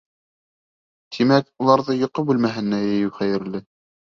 Тимәк, уларҙы йоҡо бүлмәһенә йәйеү хәйерле.